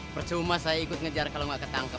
percuma saya ikut ngejar kalau nggak ketangkep